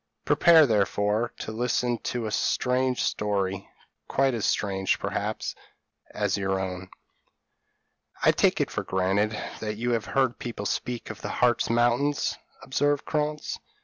Prepare, therefore, to listen to a strange story, quite as strange, perhaps, as your own: "I take it for granted, that you have heard people speak of the Hartz Mountains," observed Krantz.